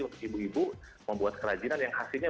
untuk ibu ibu membuat kerajinan yang hasilnya